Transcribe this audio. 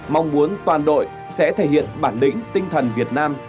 mong muốn toàn đội sẽ thể hiện bản lĩnh tinh thần việt nam